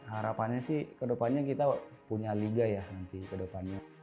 harapannya sih kedepannya kita punya liga ya